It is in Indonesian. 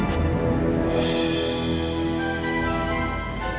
ada apa denganmu